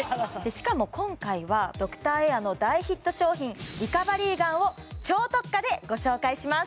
しかも今回はドクターエアの大ヒット商品リカバリーガンを超特価でご紹介します